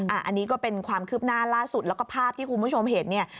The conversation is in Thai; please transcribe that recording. อันนี้ก็เป็นความคืบหน้าล่าสุดแล้วก็ภาพที่คุณผู้ชมเห็นเนี่ย